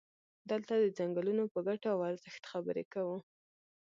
دلته د څنګلونو په ګټو او ارزښت خبرې کوو.